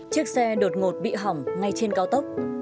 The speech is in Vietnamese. chiếc xe đột ngột bị hỏng ngay trên cao tốc